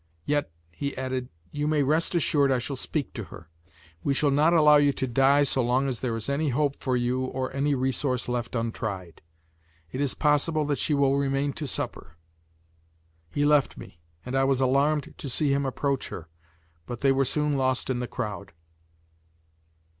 Yet," he added, "you may rest assured I shall speak to her. We shall not allow you to die so long as there is any hope for you or any resource left untried. It is possible that she will remain to supper." He left me, and I was alarmed to see him approach her. But they were soon lost in the crowd.